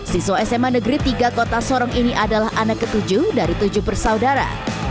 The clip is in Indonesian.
siswa sma negeri tiga kota sorong ini adalah anak ketujuh dari tujuh bersaudara